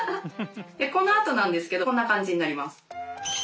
このあとなんですけどこんな感じになります。